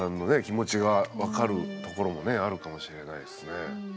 気持ちが分かるところもねあるかもしれないですねうん。